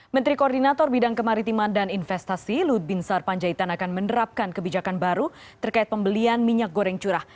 menteri koordinator bidang kemaritiman dan investasi luhut bin sarpanjaitan akan menerapkan kebijakan baru terkait pembelian minyak goreng curah